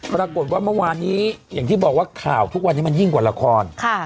ปรากฏว่าเมื่อวานนี้อย่างที่บอกว่าข่าวทุกวันนี้มันยิ่งกว่าละคร